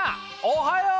おはよう！